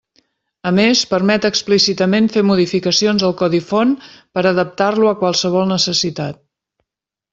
A més, permet explícitament fer modificacions al codi font per adaptar-lo a qualsevol necessitat.